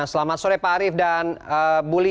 selamat sore pak harif dan bulia